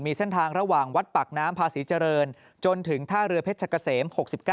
มีเส้นทางระหว่างวัดปากน้ำพาศรีเจริญจนถึงท่าเรือเพชรเกษม๖๙